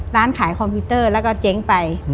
ร้านขายคอมพิวเตอร์แล้วก็เจ๊งไป